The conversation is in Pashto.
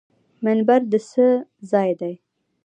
منبر د څه ځای دی؟